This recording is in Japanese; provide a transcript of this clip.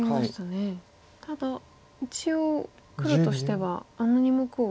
ただ一応黒としてはあの２目を。